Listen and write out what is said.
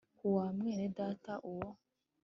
ku bwa mwene data uwo